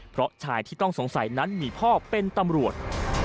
เพราะชายที่ต้องสงสัยนั้นมีพ่อเป็นตำรวจ